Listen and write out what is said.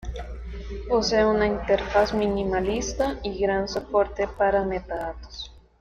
Posee una interfaz minimalista y gran soporte para metadatos.